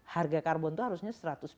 harga karbon itu harusnya